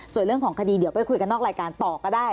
ส่วนเรื่องของคดีเดี๋ยวไปคุยกันนอกรายการต่อก็ได้